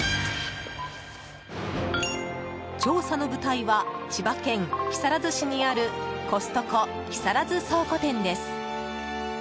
調査の舞台は千葉県木更津市にあるコストコ木更津倉庫店です。